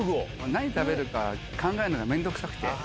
何食べるか考えるのが面倒くさくて。